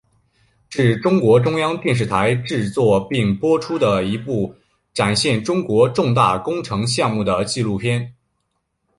是中国中央电视台制作并播出的一部展现中国重大工程项目的纪录片。